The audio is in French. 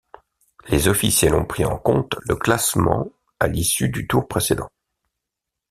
Les officiels ont pris en compte le classement à l'issue du tour précédent.